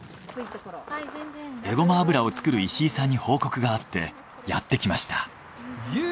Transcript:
えごま油を作る石井さんに報告があってやってきました。